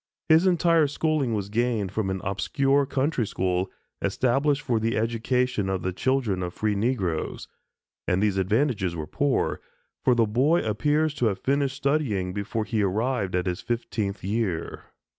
His entire schooling was gained from an obscure country school, established for the education of the children of free negroes; and these advantages were poor, for the boy appears to have finished studying before he arrived at his fifteenth year.